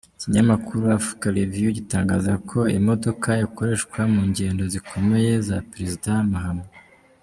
Ikinyamakuru Africa Review gitangaza ko iyi modoka ikoreshwa mu ngendo zikomeye za Perezida Mahama.